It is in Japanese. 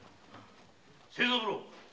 清三郎！